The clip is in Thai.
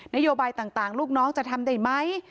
นโยบายต่างลูกน้องจะทำได้ไหม